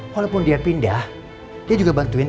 walaupun dia pindah dia juga bantuin